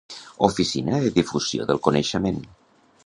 Oficina de Difusió del Coneixement.